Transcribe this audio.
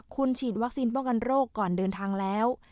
คุณฉีดวัคซีนป้องกันโรคก่อนเดินทางแล้ว